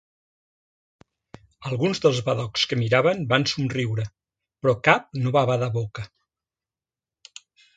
Alguns dels badocs que miraven van somriure, però cap no va badar boca.